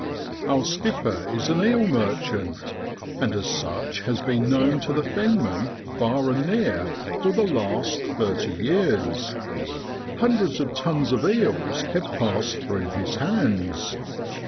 ' Our skipper is an eel merchant, and as such has been known to the fen men far and near for the last thirty years; hundreds of tons of eels have passed through his hands.